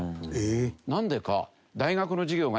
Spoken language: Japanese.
なんでか？